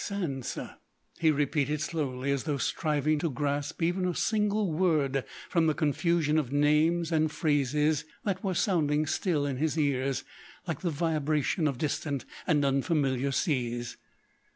"Sansa," he repeated slowly, as though striving to grasp even a single word from the confusion of names and phrases that were sounding still in his ears like the vibration of distant and unfamiliar seas.